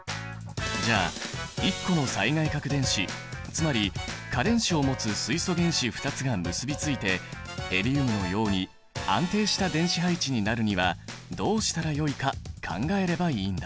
じゃあ１個の最外殻電子つまり価電子を持つ水素原子２つが結びついてヘリウムのように安定した電子配置になるにはどうしたらよいか考えればいいんだ。